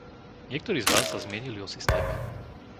Niektorí z vás sa zmienili o systéme.